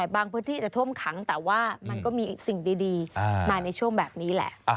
บางพื้นที่จะท่วมขังแต่ว่ามันก็มีสิ่งดีมาในช่วงแบบนี้แหละ